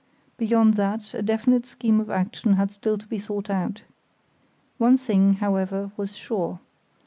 Beyond that a definite scheme of action had still to be thought out. One thing, however, was sure.